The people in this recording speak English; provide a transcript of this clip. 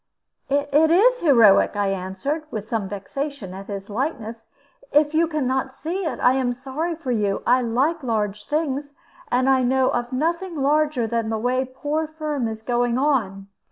"It is heroic," I answered, with some vexation at his lightness. "If you can not see it, I am sorry for you. I like large things; and I know of nothing larger than the way poor Firm is going on."